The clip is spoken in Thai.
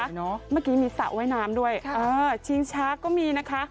สวยเนอะเมื่อกี้มีสระว่ายน้ำด้วยค่ะเออชิงชักก็มีนะคะ